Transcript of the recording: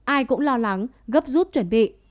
ai cũng lo lắng gấp rút chuẩn bị